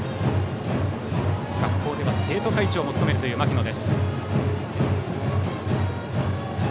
学校では生徒会長も務めるという牧野。